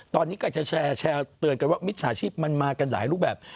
ตอนนี้ก็จะแชร์เตือนกันว่ามิจฉาชีพมันมากันหลายรูปแบบ